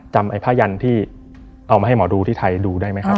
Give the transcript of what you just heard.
จำไอ้ผ้ายันที่เอามาให้หมอดูที่ไทยดูได้ไหมครับ